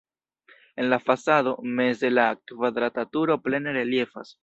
En la fasado meze la kvadrata turo plene reliefas.